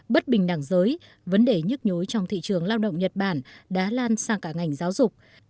bất bình đẳng giới vấn đề nhức nhối trong thị trường lao động nhật bản đã lan sang cả ngành giáo dục